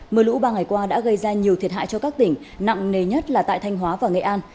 mờ lũ ba ngày qua đã gây ra nhiều thiệt hại cho các tỉnh nặng nề nhất là tại thanh hóa và nghệ an